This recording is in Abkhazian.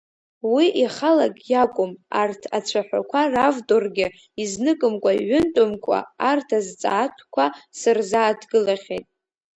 Уи ихалагь иакәым, арҭ ацәаҳәақәа равторгьы, изныкымкәа-иҩынтәымкәа арҭ азҵаатәқәа сырзааҭгылахьеит.